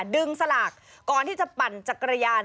สลากก่อนที่จะปั่นจักรยาน